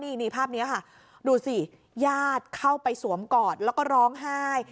นี่ภาพนี้ค่ะดูสิญาติเข้าไปสวมกอดแล้วก็ร้องไห้